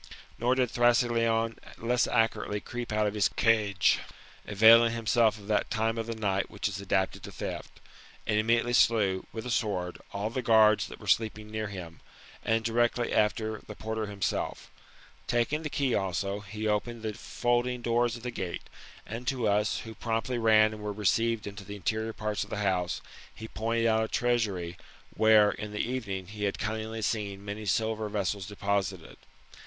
Nor did Thrasyleon less accurately creep out of his cage, avaiKflg himself of that time of the night which is adapted to theft j and immediately slew, with a sword, all the guards that were sleeping near him, and, directly after the porter himself. Taking the key also, he opened the folding doors of the gate, and to us, who promptly ran, and were received into the interior parts of the house, he pointed out a treasury, where in the evening, he had cunningly seen many silver vessels deposited.